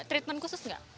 treatment khusus enggak